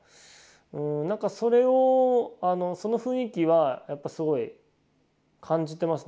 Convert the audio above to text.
なんかそれをその雰囲気はやっぱすごい感じてますね。